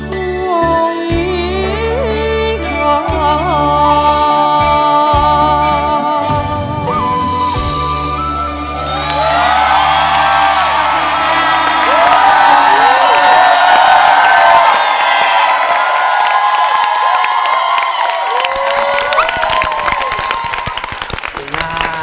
ดีตรอบ